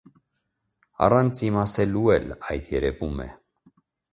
առանց իմ ասելու էլ այդ երևում է: